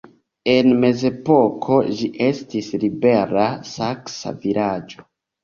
En mezepoko ĝi estis libera saksa vilaĝo.